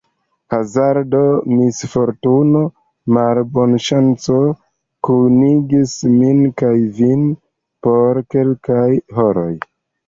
Hazardo, misfortuno, malbonŝanco kunigis min kaj vin por kelkaj horoj.